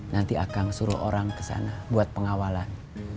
nanti akan suruh orang kesana buat pengawalan